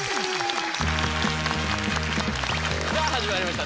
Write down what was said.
さあ始まりました